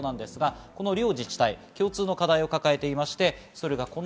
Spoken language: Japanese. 両自治体共通の課題を抱えています。